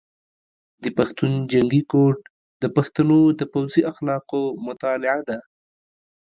د پښتون جنګي کوډ د پښتنو د پوځي اخلاقو مطالعه ده.